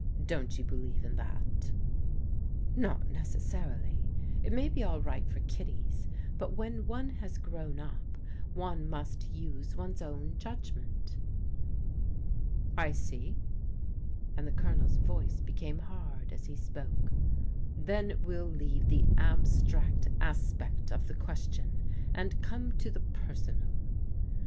Don't you believe in that ?"" Not necessarily. It may be all right for kiddies ; but when one has grown up, one must use one's own judg ment." "I see," and the Colonel's voice became hard as he spoke :" then we'll leave the abstract aspect of the ques tion, and come to the personal.